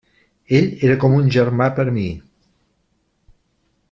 Ell era com un germà per a mi.